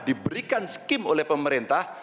diberikan skim oleh pemerintah